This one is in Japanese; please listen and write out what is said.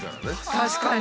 確かに！